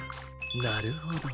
なるほど。